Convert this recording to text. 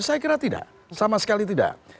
saya kira tidak sama sekali tidak